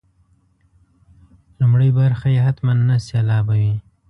لومړۍ برخه یې حتما نهه سېلابه وي.